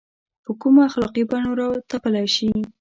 په کومو اخلاقي بڼو راتپلی شي.